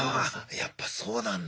やっぱそうなんだ。